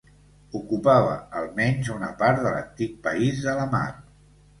Ocupava almenys una part de l'antic País de la Mar.